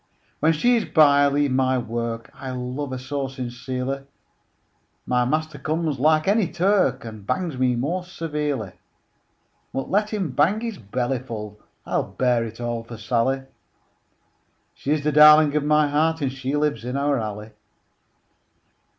When she is by, I leave my work, I love her so sincerely; My master comes like any Turk, And bangs me most severely: But let him bang his bellyful, I'll bear it all for Sally; She is the darling of my heart, And she lives in our alley.